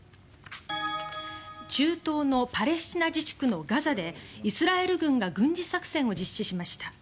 中東のパレスチナ自治区のガザでイスラエル軍が軍事作戦を実施しました。